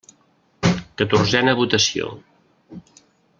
Catorzena votació.